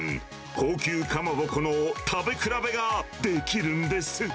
高級かまぼこの食べ比べができるんです。